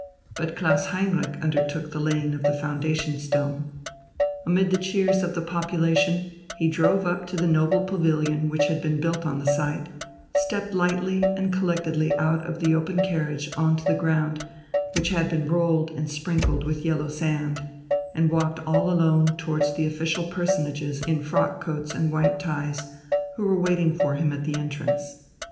But Klaus Heinrich undertook the laying of the foundation stone. Amid the cheers of the population he drove up to the noble pavilion which had been built on the site, stepped lightly and collectedly out of the open carriage on to the ground, which had been rolled and sprinkled with yellow sand, and walked all alone towards the official personages in frock coats and white ties who were waiting for him at the entrance.